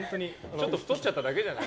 ちょっと太っちゃっただけじゃない？